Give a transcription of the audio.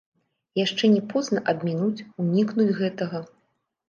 Яшчэ не позна абмінуць, унікнуць гэтага?